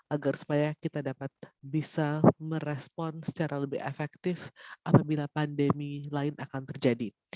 agar supaya kita dapat bisa merespon secara lebih efektif apabila pandemi lain akan terjadi